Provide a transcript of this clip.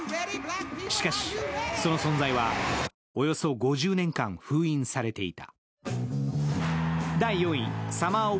しかし、その存在はおよそ５０年間封印されていた。